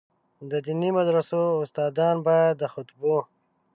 د دیني مدرسو استادان باید د خطبو.